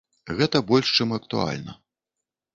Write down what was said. Гэта больш чым актуальна.